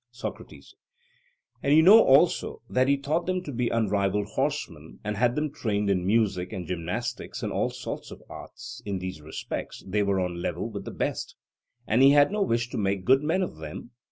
SOCRATES: And you know, also, that he taught them to be unrivalled horsemen, and had them trained in music and gymnastics and all sorts of arts in these respects they were on a level with the best and had he no wish to make good men of them?